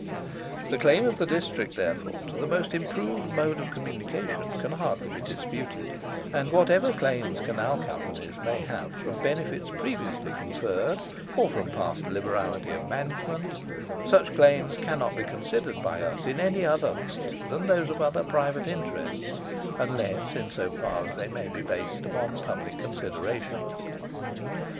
The claim of the district, therefore, to the most improved mode of communication can hardly be disputed; and whatever claims Canal Companies may have from benefits previously conferred, or from past liberality of management, such claims cannot be considered by us in any other light than those of other private interests, unless in so far as they may be based upon public considerations.